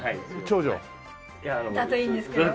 長女？だといいんですけど。